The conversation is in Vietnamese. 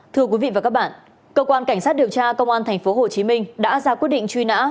thưa quý vị và các bạn cơ quan cảnh sát điều tra công an tp hcm đã ra quyết định truy nã